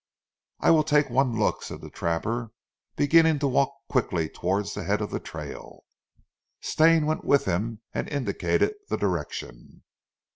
"I weel tak' one look," said the trapper, beginning to walk quickly towards the head of the trail. Stane went with him and indicated the direction.